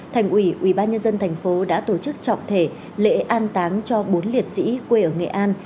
thành ủy ubnd thành phố đã tổ chức trọng thể lễ an táng cho bốn liệt sĩ quê ở nghệ an